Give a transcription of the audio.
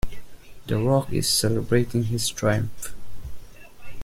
The rogue is celebrating his triumph.